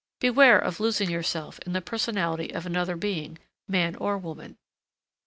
Beware of losing yourself in the personality of another being, man or woman.